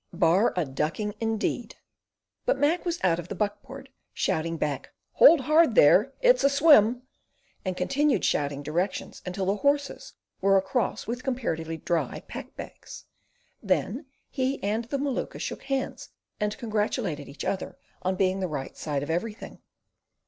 "Bar a ducking, indeed!" But Mac was out of the buck board, shouting back, "Hold hard there! It's a swim," and continued shouting directions until the horses were across with comparatively dry pack bags. Then he and the Maluka shook hands and congratulated each other on being the right side of everything.